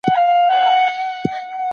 ولي خپلواکې محکمې اړینې دي؟